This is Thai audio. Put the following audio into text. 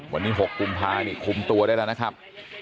วันนี้๖กุมภานี่คุมตัวได้แล้วนะครับ